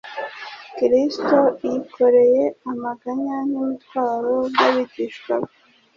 Kristo yikoreye amaganya n'imitwaro by'abigishwa be.